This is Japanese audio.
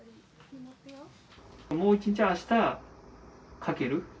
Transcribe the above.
もう１日あしたかける。